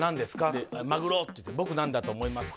でマグロって言って僕何だと思いますか？